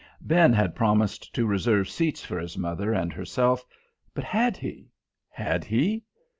Ben had promised to reserve seats for his mother and herself; but had he? Had he?